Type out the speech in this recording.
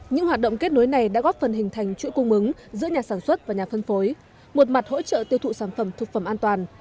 những hoạt động kết nối này đã góp phần hình thành chuỗi cung ứng giữa nhà sản xuất và nhà phân phối một mặt hỗ trợ tiêu thụ sản phẩm thực phẩm an toàn